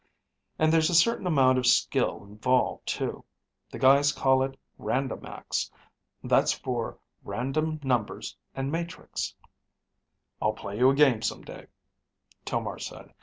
And there's a certain amount of skill involved too. The guys call it Randomax. That's for random numbers and matrix." "I'll play you a game someday," Tomar said.